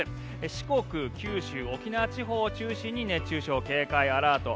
四国、九州、沖縄地方を中心に熱中症警戒アラート。